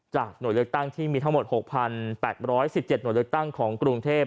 หน่วยเลือกตั้งที่มีทั้งหมด๖๘๑๗หน่วยเลือกตั้งของกรุงเทพ